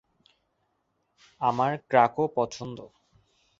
আমার ক্রাকো পছন্দ।